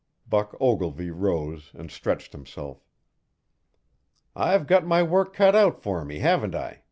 Buck Ogilvy rose and stretched himself. "I've got my work cut out for me, haven't I?"